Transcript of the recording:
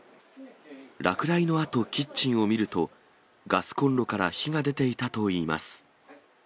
落雷のあと、キッチンを見ると、ガスコンロから火が出ていたといいます。